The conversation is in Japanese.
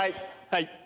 はい！